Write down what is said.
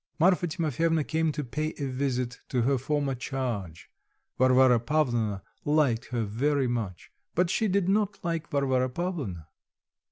Marfa Timofyevna came to pay a visit to her former charge; Varvara Pavlovna liked her very much, but she did not like Varvara Pavlovna.